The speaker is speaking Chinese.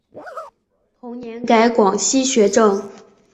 同年改广西学政。